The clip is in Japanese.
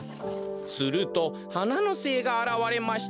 するとはなのせいがあらわれました。